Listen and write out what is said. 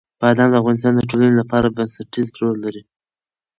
بادام د افغانستان د ټولنې لپاره بنسټيز رول لري.